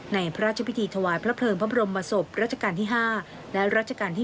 ในพระราชพิธีถวายพระเพลิงพระบรมสบร๕และร๖